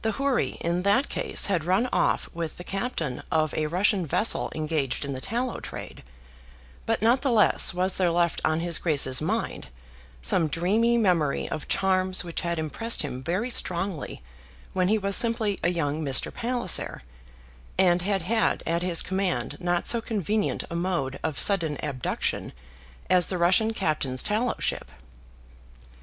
The houri in that case had run off with the captain of a Russian vessel engaged in the tallow trade; but not the less was there left on his Grace's mind some dreamy memory of charms which had impressed him very strongly when he was simply a young Mr. Palliser, and had had at his command not so convenient a mode of sudden abduction as the Russian captain's tallow ship.